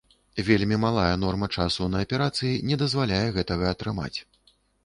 Вельмі малая норма часу на аперацыі не дазваляе гэтага атрымаць.